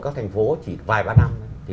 các thành phố chỉ vài ba năm thì